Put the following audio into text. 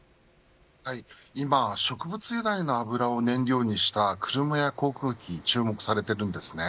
今、植物由来の油を燃料にした車や航空機が注目されています。